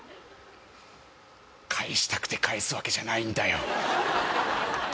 返したくて返すわけじゃないんだよ